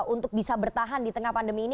untuk bisa bertahan di tengah pandemi ini